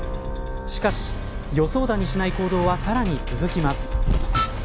しかし、予想だにしない行動はさらに続きます。